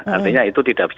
artinya itu tidak berkisar